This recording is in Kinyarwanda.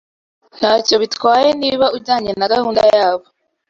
Ntacyo bitwaye niba ujyanye na gahunda yabo